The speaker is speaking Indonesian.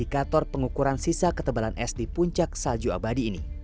di kantor pengukuran sisa ketebalan es di puncak salju abadi ini